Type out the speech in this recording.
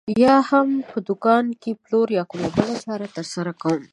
یا هم په دوکان کې پلور یا کومه بله چاره ترسره کوم.